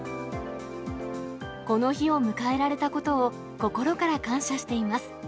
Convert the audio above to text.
この日を迎えられたことを、心から感謝しています。